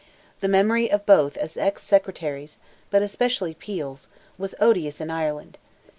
The memory of both as ex secretaries—but especially Peel's—was odious in Ireland.